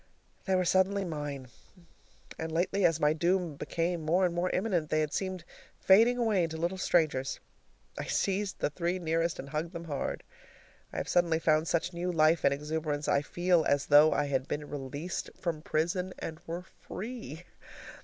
They were suddenly MINE, and lately, as my doom became more and more imminent, they had seemed fading away into little strangers. I seized the three nearest and hugged them hard. I have suddenly found such new life and exuberance, I feel as though I had been released from prison and were free.